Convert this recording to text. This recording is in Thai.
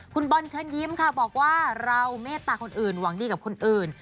คุณบอลเชิญยิ้มค่ะบอกว่าเราเมตตาคนอื่นหวังดีกับคนอื่น